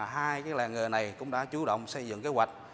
hai làng nghề này cũng đã chủ động xây dựng kế hoạch